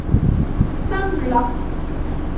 ตั้งล็อก